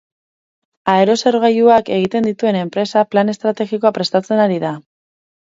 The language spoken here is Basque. Aerosorgailuak egiten dituen enpresa plan estrategikoa prestatzen ari da.